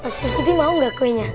pak sirikiti mau gak kuenya